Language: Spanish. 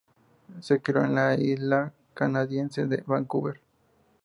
Se crió en la isla canadiense de Vancouver.